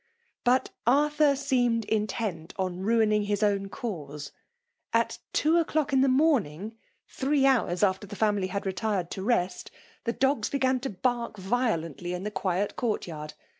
Bui Arthur seemed intent on ruining his own cause. At two o'clock in the morning, three hours after the family had retired to rest, the dogs began to bark violently in the quiet courtyard.